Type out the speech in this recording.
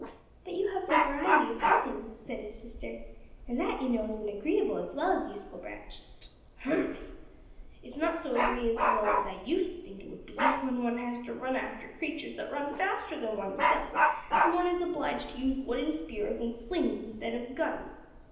"But you have the variety of hunting," said his sister, "and that, you know, is an agreeable as well as useful branch." "Humph! It's not so agreeable as I used to think it would be, when one has to run after creatures that run faster than one's self, and one is obliged to use wooden spears, and slings, instead of guns.